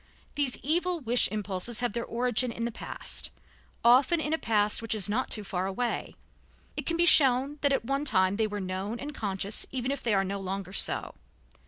These evil wish impulses have their origin in the past, often in a past which is not too far away. It can be shown that at one time they were known and conscious, even if they no longer are so.